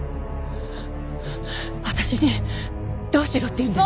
私にどうしろって言うんですか。